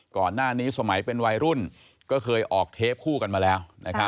ก่อนหน้านี้สมัยเป็นวัยรุ่นก็เคยออกเทปคู่กันมาแล้ว